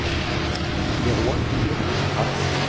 Les rois figurent en gras.